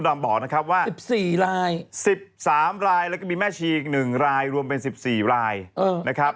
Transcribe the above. ดำบอกนะครับว่า๑๔ราย๑๓รายแล้วก็มีแม่ชีอีก๑รายรวมเป็น๑๔รายนะครับ